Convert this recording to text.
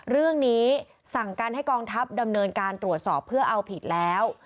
เรื่องนี้สั่งการให้กองทัพดำเนินการตรวจสอบเพื่อเอาผิดแล้ว